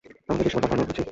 আমাদের দৃশ্যপট বদলানো উচিত।